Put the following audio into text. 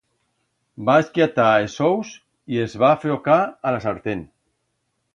Va escllatar els ous y els va fllocar a la sartén.